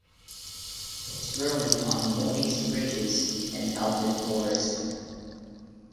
It is growing on moist ridges in elfin forest.